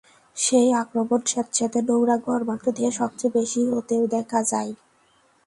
সেই আক্রমণ স্যাঁতসেঁতে, নোংরা, ঘর্মাক্ত দেহে সবচেয়ে বেশি হতে দেখা যায়।